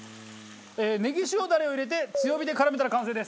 ねぎ塩ダレを入れて強火で絡めたら完成です。